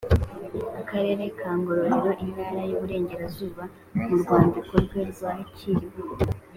Akarere ka Ngororero Intara y Iburengerazuba mu rwandiko rwe rwakiriw